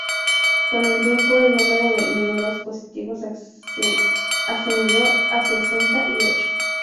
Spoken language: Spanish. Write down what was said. Con el tiempo el número de miembros pasivos ascendió a sesenta y ocho.